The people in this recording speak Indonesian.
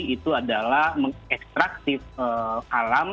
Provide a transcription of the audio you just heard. itu adalah ekstraktif alam